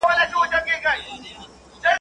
خواره کې هغه مينځه، چي دمينځي کونه مينځي.